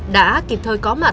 đã kịp thời có mặt